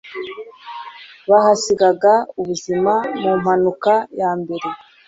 bahasigaga ubuzima mu mpanuka ya mbere